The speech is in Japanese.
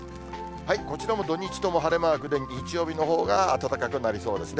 こちらも土日とも晴れマークで、日曜日のほうが暖かくなりそうですね。